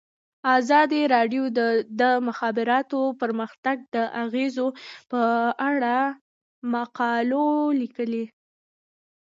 ازادي راډیو د د مخابراتو پرمختګ د اغیزو په اړه مقالو لیکلي.